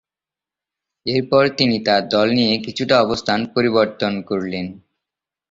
এরপর তিনি তার দল নিয়ে কিছুটা অবস্থান পরিবর্তন করলেন।